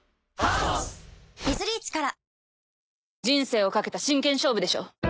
「人生をかけた真剣勝負でしょ」